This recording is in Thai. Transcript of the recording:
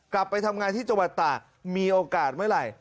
กลับไปทำงานที่จังหวัดตากมีโอกาสเมื่อไหร่